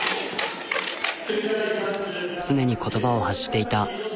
常に言葉を発していた。